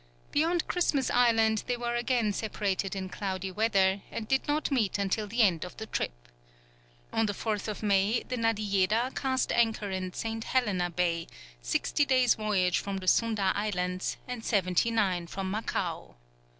Beyond Christmas Island they were again separated in cloudy weather, and did not meet until the end of the trip. On the 4th May, the Nadiejeda cast anchor in St. Helena Bay, sixty days' voyage from the Sunda Isles and seventy nine from Macao.